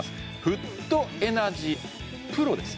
フットエナジーＰＲＯです